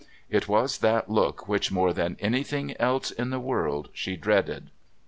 It was that look which more than anything else in the world she dreaded.